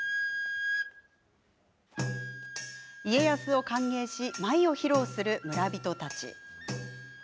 家康を歓迎し舞を披露する村人たち。